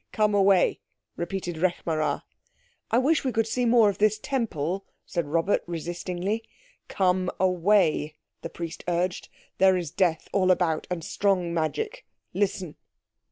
"Come away," repeated Rekh marā. "I wish we could see more of this Temple," said Robert resistingly. "Come away," the Priest urged, "there is death all about, and strong magic. Listen."